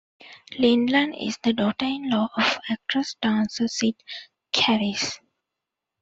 Lindeland is the daughter-in-law of actress-dancer Cyd Charisse.